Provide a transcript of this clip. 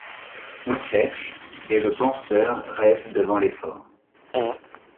On cherche ; et-le penseur, rêve devant l’effort